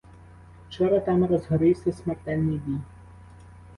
Вчора там розгорівся смертельний бій.